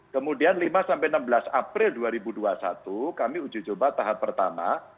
kemudian lima sampai enam belas april dua ribu dua puluh satu kami uji coba tahap pertama